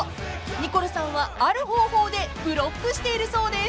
［ニコルさんはある方法でブロックしているそうです］